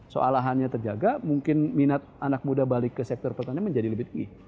soal lahannya terjaga mungkin minat anak muda balik ke sektor pertanian menjadi lebih tinggi